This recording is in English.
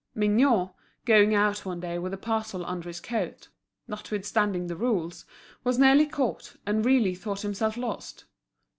Mignot, going out one day with a parcel under his coat, notwithstanding the rules, was nearly caught, and really thought himself lost.